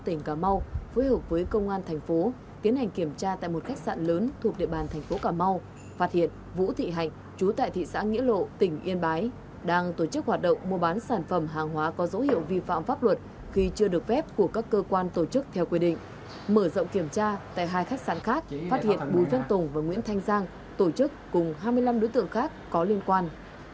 tỉnh cà mau phối hợp với công an thành phố kiến hành kiểm tra tại một khách sạn lớn thuộc địa bàn thành phố cà mau phát hiện vũ thị hạnh chú tại thị xã nghĩa lộ tỉnh yên bái đang tổ chức hoạt động mua bán sản phẩm hàng hóa có dấu hiệu vi phạm pháp luật khi chưa được phép của các cơ quan tổ chức theo quy định mở rộng kiểm tra tại hai khách sạn khác phát hiện bùi văn tùng và nguyễn thanh giang tổ chức cùng hai mươi năm đối tượng khác có liên quan